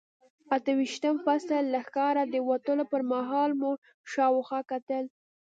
اته ویشتم فصل، له ښاره د وتلو پر مهال مو شاوخوا کتل.